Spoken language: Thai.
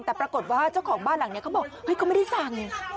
แต่ปรากฏว่าเจ้าของบ้านหลังนี้เขาบอกเฮ้ยเขาไม่ได้สั่ง